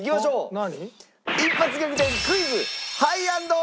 何？